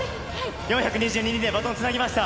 ４２２人でバトンつなぎました。